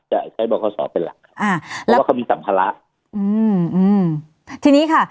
จะใช้บ่อขอสอเป็นหลักอ่าเพราะว่าเขามีสัมภาระอืมอืมทีนี้ค่ะ